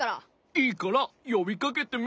いいからよびかけてみ？